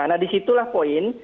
nah disitulah poin